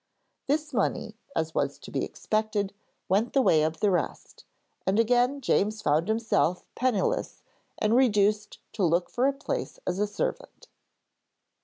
This money, as was to be expected, went the way of the rest, and again James found himself penniless and reduced to look for a place as a servant.